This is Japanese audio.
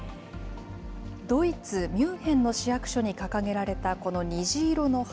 ドイツ・ミュンヘンの市役所に掲げられたこの虹色の旗。